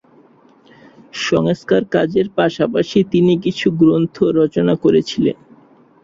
সংস্কার কাজের পাশাপাশি তিনি কিছু গ্রন্থ রচনা করেছিলেন।